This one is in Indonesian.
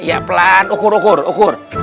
ya pelan ukur ukur ukur